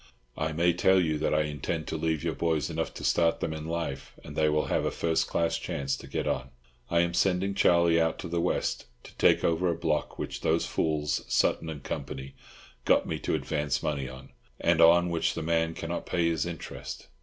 I may tell you that I intend to leave your boys enough to start them in life, and they will have a first class chance to get on. I am sending Charlie out to the West, to take over a block which those fools, Sutton and Co., got me to advance money on, and on which the man cannot pay his interest.